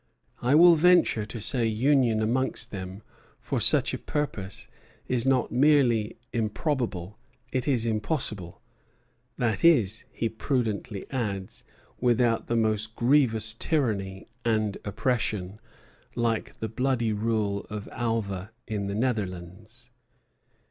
I will venture to say union amongst them for such a purpose is not merely improbable, it is impossible;" that is, he prudently adds, without "the most grievous tyranny and oppression," like the bloody rule of "Alva in the Netherlands."